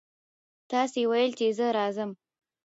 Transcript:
تاسې ویل چې زه راځم.